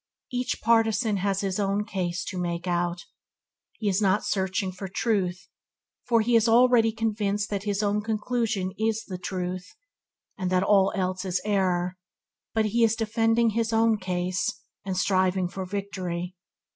Each partisan has his own case to make out. He is not searching for truth, for he is already convinced that his own conclusion is the truth, and that all else is error; but he is defending his own case, and striving for victory.